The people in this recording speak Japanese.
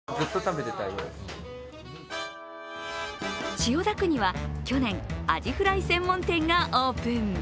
千代田区には去年、アジフライ専門店がオープン。